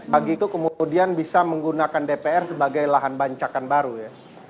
bagiku kemudian bisa menggunakan dpr sebagai lahan bancakan baru ya